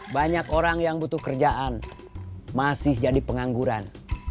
banyak orang yang butuh kerjaan masih jadi pengangguran